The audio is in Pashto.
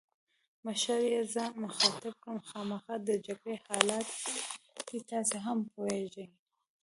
مشرې یې زه مخاطب کړم: خامخا د جګړې حالات دي، تاسي هم پوهېږئ.